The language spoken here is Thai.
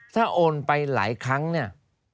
ถ้าโอนไปหลายครั้งเนี่ย